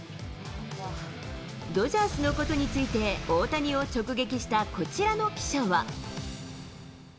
ドジャースのことについて、大谷を直撃したこちらの記者は。